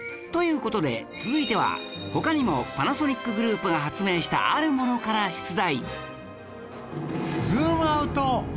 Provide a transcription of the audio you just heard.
事で続いては他にもパナソニックグループが発明したあるものから出題